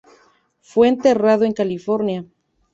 Fue enterrado en California.